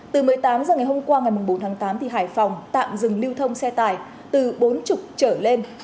từ một mươi tám h ngày hôm qua ngày bốn tháng tám hải phòng tạm dừng lưu thông xe tải từ bốn mươi trở lên